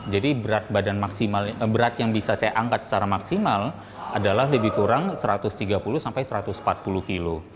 jadi berat yang bisa saya angkat secara maksimal adalah lebih kurang satu ratus tiga puluh satu ratus empat puluh kilo